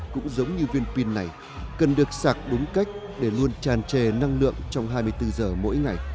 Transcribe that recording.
cũng giống như viên pin này cần được sạc đúng cách để luôn tràn trề năng lượng trong hai mươi bốn giờ mỗi ngày